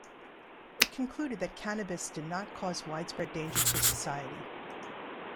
It concluded that cannabis did not cause widespread danger to society.